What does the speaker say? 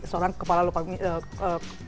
seorang kepala lupak